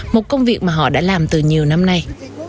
một công việc mà họ đã làm từ nhiều năm nay